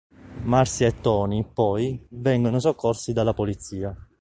Marcia e Tony, poi, vengono soccorsi dalla polizia.